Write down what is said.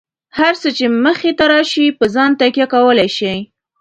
هر څه چې مخې ته راشي، په ځان تکیه کولای شئ.